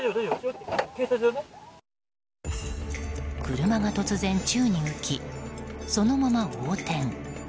車が突然、宙に浮きそのまま横転。